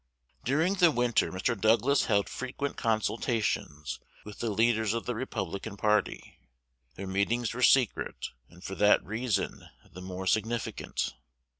During the winter Mr. Douglas held frequent consultations with the leaders of the Republican party. Their meetings were secret, and for that reason the more significant.